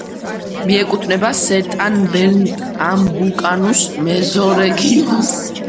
მიეკუთვნება სერტან-პერნამბუკანუს მეზორეგიონს.